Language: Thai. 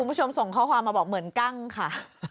คุณผู้ชมส่งข้อความมาบอกเหมือนกั้งค่ะ